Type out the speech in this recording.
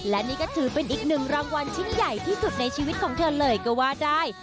และนี่ก็ถือเป็นอีกหนึ่งรางวัลชิ้นใหญ่ที่สุดในชีวิตของเธอเลยก็ว่าได้